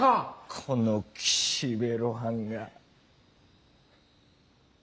この岸辺露伴が。